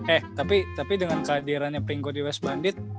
eh tapi dengan kehadirannya pringgo di west bandit